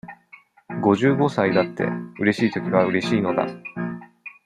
五十五歳だって、うれしいときはうれしいのだ。